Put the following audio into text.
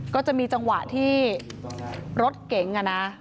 ก็จะมีจังหวะที่รถเก๋งอะนะ